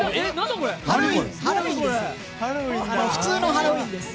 ハロウィーンです。